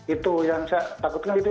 itu yang saya takutkan